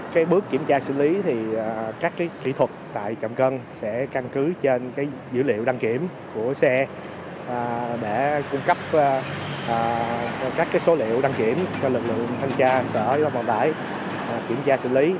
cái bước kiểm tra xử lý thì các kỹ thuật tại trọng cân sẽ căn cứ trên dữ liệu đăng kiểm của xe để cung cấp các số liệu đăng kiểm cho lực lượng thông tra sở và hệ thống cân tải kiểm tra xử lý